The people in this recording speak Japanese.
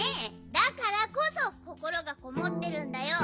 だからこそこころがこもってるんだよ。